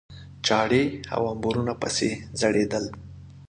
چاړې او امبورونه پسې ځړېدل.